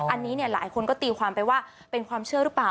อันนี้เนี่ยหลายคนก็ตีความไปว่าเป็นความเชื่อหรือเปล่า